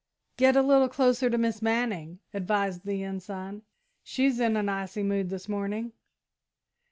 "Get a little closer to Miss Manning," advised the Ensign. "She's in an icy mood this morning."